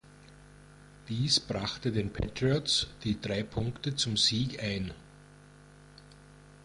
Dies brachte den Patriots die drei Punkte zum Sieg ein.